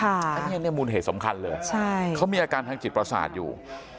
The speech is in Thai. อันนี้มูลเหตุสำคัญเลยเขามีอาการทางจิตประสาทอยู่